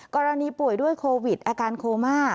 กรณีป่วยด้วยโควิดอาการโคม่า